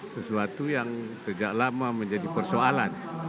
sesuatu yang sejak lama menjadi persoalan